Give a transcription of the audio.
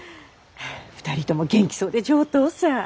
２人とも元気そうで上等さぁ。